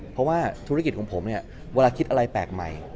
เพราะว่าธุรกิจของผมเนี่ยเวลาคิดอะไรแปลกใหม่